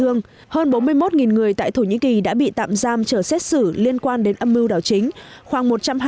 hơn bốn mươi một người tại thổ nhĩ kỳ đã bị tạm giam chờ xét xử liên quan đến âm mưu đảo chính khoảng